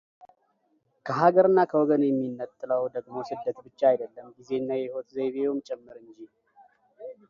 ከሀገርና ከወገን የሚነጥለው ደግሞ ስደት ብቻ አይደለም ጊዜና የሕይወት ዘይቤውም ጭምር እንጂ።